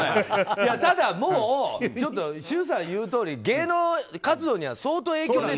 ただ、周さんが言うとおり芸能活動には相当影響が出てる。